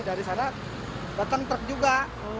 dari sana datang truk juga